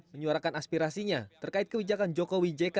menyuarakan aspirasinya terkait kebijakan jokowi jk